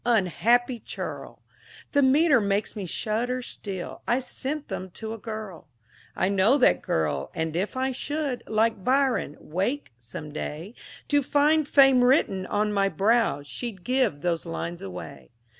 Unhappy churl! The metre makes me shudder still, I sent them to a girl. I know that girl, and if I should, Like Byron, wake some day To find Fame written on my brow, She'd give those lines away.